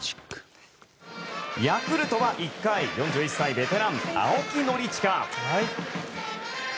ヤクルトは１回４１歳ベテラン、青木宣親。